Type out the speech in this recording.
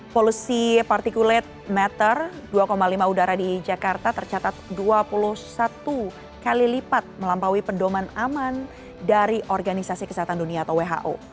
polusi particulate meter dua lima udara di jakarta tercatat dua puluh satu kali lipat melampaui pendoman aman dari organisasi kesehatan dunia atau who